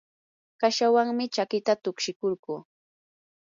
kashawanmi chakita tukshikurquu.